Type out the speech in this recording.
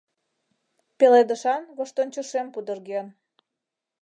Пеледышан воштончышем пудырген.